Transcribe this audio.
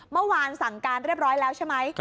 เมื่อวานสั่งการเรียบร้อยแล้วใช่ไหม